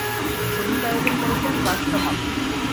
সংগীতায়োজন করেছেন রাজ কামাল।